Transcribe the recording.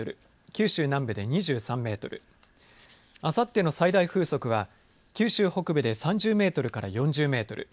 九州南部で２３メートルあさっての最大風速は九州北部で３０メートルから４０メートル。